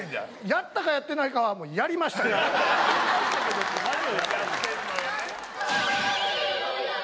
やったかやってないかは「やりましたけど」って何をやったの？